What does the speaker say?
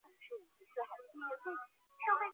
多桑是生于君士坦丁堡的亚美尼亚人。